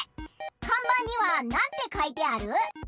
かんばんにはなんてかいてある？